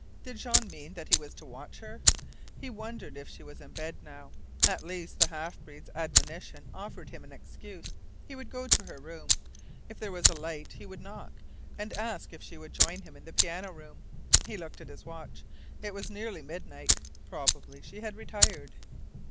Did Jean mean that he was to watch her? He wondered if she was in bed now. At least the half breed's admonition offered him an excuse. He would go to her room. If there was a light he would knock, and ask her if she would join him in the piano room. He looked at his watch. It was nearly midnight. Probably she had retired.